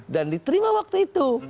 dan diterima waktu itu